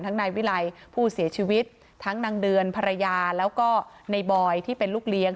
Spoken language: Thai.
นายวิไลผู้เสียชีวิตทั้งนางเดือนภรรยาแล้วก็ในบอยที่เป็นลูกเลี้ยง